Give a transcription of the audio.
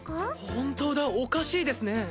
本当だおかしいですね。